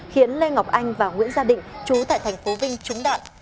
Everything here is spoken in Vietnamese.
khiến lê ngọc anh và nguyễn gia định trú tại tp vinh trúng đạn